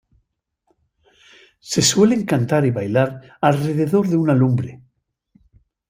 Se suelen cantar y bailar alrededor de una lumbre.